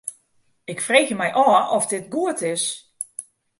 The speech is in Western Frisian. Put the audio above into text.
Ik freegje my ôf oft dit goed is.